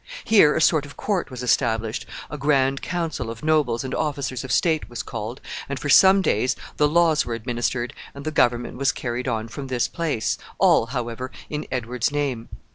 Here a sort of court was established, a grand council of nobles and officers of state was called, and for some days the laws were administered and the government was carried on from this place, all, however, in Edward's name.